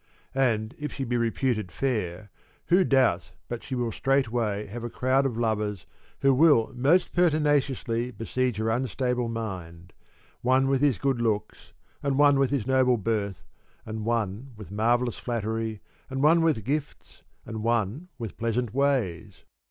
And, if she be reputed fair, who doubts but she will straightway have a crowd of lovers who will most pertinaciously besiege her unstable mind, one with his good looks and one with his noble birth and one with marvellous flattery and one with gifts and one with pleasant ways